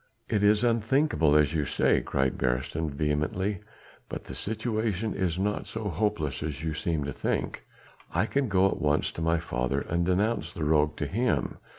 "It is unthinkable, as you say," cried Beresteyn vehemently, "but the situation is not so hopeless as you seem to think. I can go at once to my father and denounce the rogue to him.